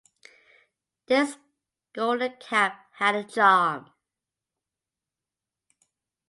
This Golden Cap had a charm.